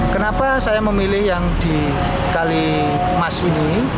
kenapa saya memilih yang di kalimas ini